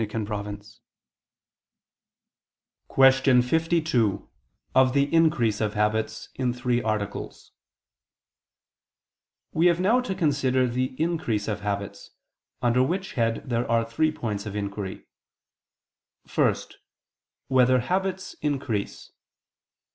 ________________________ QUESTION 52 OF THE INCREASE OF HABITS (In Three Articles) We have now to consider the increase of habits; under which head there are three points of inquiry: (1) Whether habits increase?